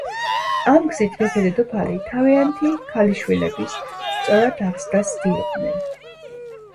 ამ გზით მეფე-დედოფალი თავიანთი ქალიშვილების „სწორად აღზრდას“ ცდილობდნენ.